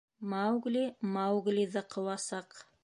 — Маугли Мауглиҙы ҡыуасаҡ.